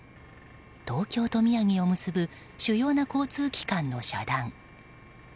東京と宮城を結ぶ主要な交通機関の遮断。